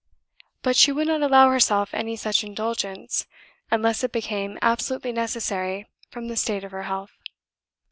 But she would not allow herself any such indulgence, unless it became absolutely necessary from the state of her health.